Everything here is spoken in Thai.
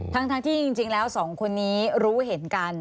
ทั้งที่จริงแล้วสองคนนี้รู้เห็นกัน